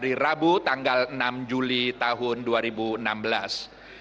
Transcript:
dengan demikian maka kita bersepakat bahwa tahun ini satu syawal sekali lagi jatuh pada lusa